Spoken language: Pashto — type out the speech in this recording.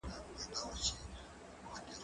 ته ولي سپينکۍ مينځې!.